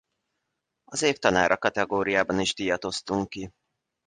Az év tanára kategóriában is díjat osztunk ki.